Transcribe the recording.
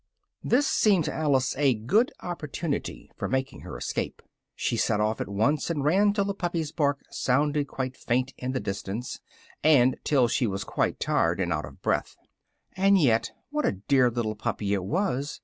This seemed to Alice a good opportunity for making her escape. She set off at once, and ran till the puppy's bark sounded quite faint in the distance, and till she was quite tired and out of breath. "And yet what a dear little puppy it was!"